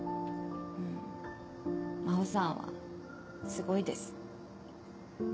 真帆さんはすごいです。